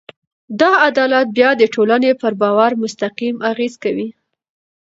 دا عدالت بیا د ټولنې پر باور مستقیم اغېز کوي.